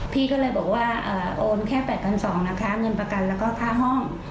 พี่ก็เลยบอกว่าโอนแค่๘๒๐๐นะคะเงินประกันแล้วก็ค่าห้อง